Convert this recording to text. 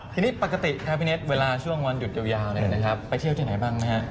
ทีนี้ปกติครับพี่เน็ตเวลาช่วงวันหยุดยาวไปเที่ยวที่ไหนบ้างนะฮะ